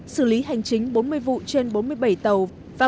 xử lý hành chính bốn mươi vụ trên bốn mươi bảy tàu